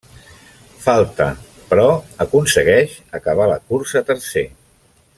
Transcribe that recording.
Falta, però, aconsegueix acabar la cursa tercer.